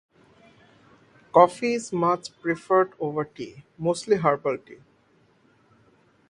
Coffee is much preferred over tea (mostly herbal tea).